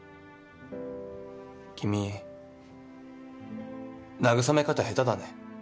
君慰め方下手だね。